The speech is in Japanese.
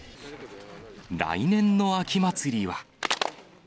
来年の秋祭りは。